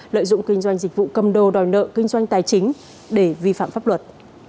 lợi dụng kinh doanh dịch vụ cầm đồ đòi nợ kinh doanh tài chính để vi phạm pháp luật